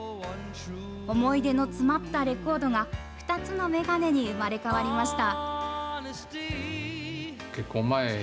思い出の詰まったレコードが、２つのメガネに生まれ変わりました。